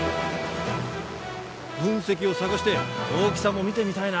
噴石を探して大きさも見てみたいな。